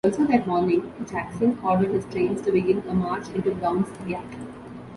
Also that morning, Jackson ordered his trains to begin a march into Brown's Gap.